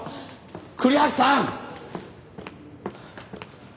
栗橋さん！